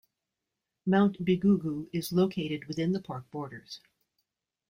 Mount Bigugu is located within the park borders.